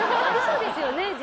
ありそうですよね